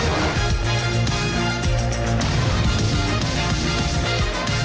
อันดับสุดท้าย